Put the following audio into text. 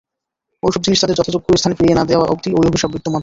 ঐসব জিনিস তাদের যথাযোগ্য স্থানে ফিরিয়ে না দেওয়া অব্দি ঐ অভিশাপ বিদ্যমান থাকে।